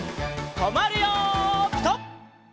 とまるよピタ！